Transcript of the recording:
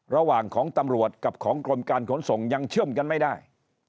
ระหว่างของตำรวจกับของกรมการขนส่งยังเชื่อมกันไม่ได้